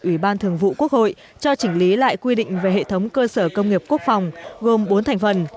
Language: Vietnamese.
ủy ban thường vụ quốc hội cho chỉnh lý lại quy định về hệ thống cơ sở công nghiệp quốc phòng gồm bốn thành phần